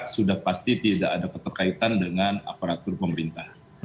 sudah pasti tidak ada keterkaitan dengan aparatur pemerintah